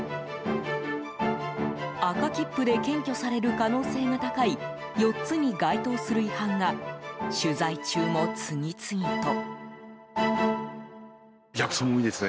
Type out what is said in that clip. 赤切符で検挙される可能性が高い４つに該当する違反が取材中も次々と。